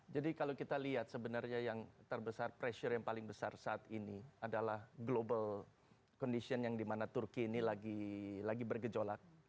jadi kalau kita lihat sebenarnya yang terbesar pressure yang paling besar saat ini adalah global condition yang dimana turki ini lagi bergejolak